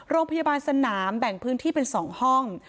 โรงพยาบาลสนามแบ่งพื้นที่เป็น๒ห้อง